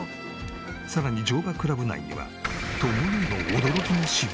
さらに乗馬クラブ内にはとも姉の驚きの私物が。